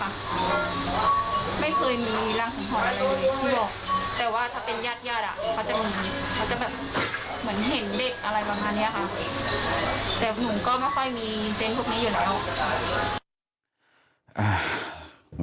อะไรประมาณเนี้ยค่ะแต่หนุ่มก็ไม่ค่อยมีเจนทุกนี้อยู่แล้ว